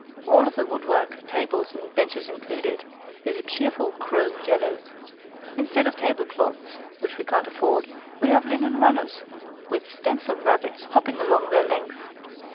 All of the woodwork tables and benches included is a cheerful chrome yellow. Instead of tablecloths, which we can't afford, we have linen runners, with stenciled rabbits hopping along their length.